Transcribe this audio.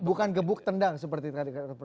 bukan gebuk tendang seperti tadi kata